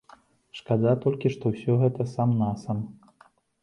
Шкада толькі, што ўсё гэта сам-насам.